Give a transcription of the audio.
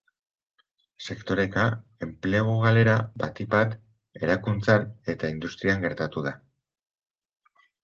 Sektoreka, enplegu galera batik bat erakuntzan eta industrian gertatu da.